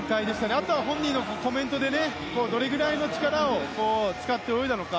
あとは、本人のコメントでどれぐらいの力を使って泳いだのか。